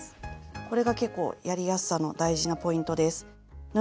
これが結構やりやすさの大事なポイントです。